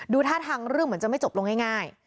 ท่าทางเรื่องเหมือนจะไม่จบลงง่าย